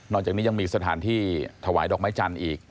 จากนี้ยังมีสถานที่ถวายดอกไม้จันทร์อีก